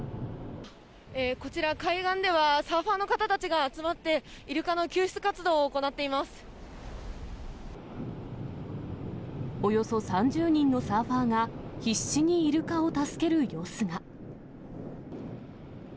こちら、海岸ではサーファーの方たちが集まって、およそ３０人のサーファーが、必死にイルカを助ける様子が。